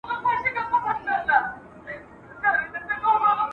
که سوله وي نو ساینس نه ودریږي.